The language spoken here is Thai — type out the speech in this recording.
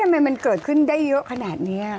ทำไมมันเกิดขึ้นได้เยอะขนาดนี้